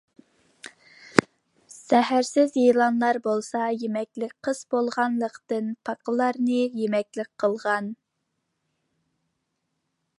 زەھەرسىز يىلانلار بولسا يېمەكلىك قىس بولغانلىقتىن، پاقىلارنى يېمەكلىك قىلغان.